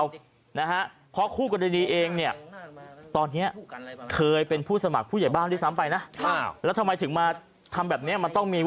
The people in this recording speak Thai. วิธีที่คุยกันดีกว่านี้ไหม